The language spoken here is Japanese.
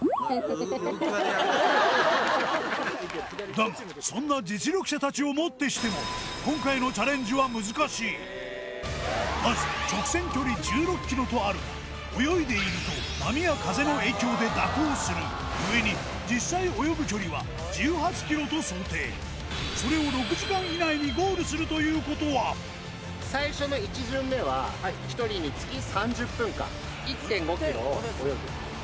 だがそんな実力者たちをもってしてもまず直線距離１６ｋｍとあるが泳いでいると波や風の影響で蛇行する故に実際泳ぐ距離は１８ｋｍと想定それを６時間以内にゴールするということは最初の１巡目は１人につき３０分間１．５ｋｍを泳ぐ。